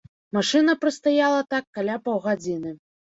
Машына прастаяла так каля паўгадзіны.